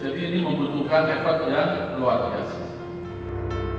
jadi ini membutuhkan efek yang luar biasa